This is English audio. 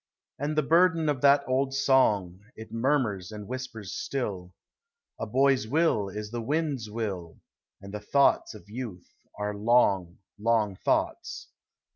And the burden of that old song, It murmurs and whispers still: A boy's will is the wind's will, And the thoughts of youth are long, long thoughts.''